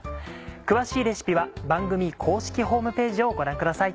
詳しいレシピは番組公式ホームページをご覧ください。